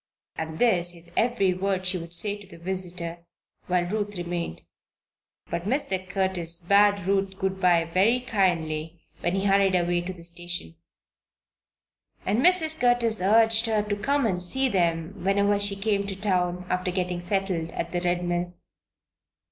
And this is every word she would say to the visitor while Ruth remained. But Mr. Curtis bade Ruth good bye very kindly when he hurried away to the station, and Mrs. Curtis urged her to come and see them whenever she came to town after getting settled at the Red Mill.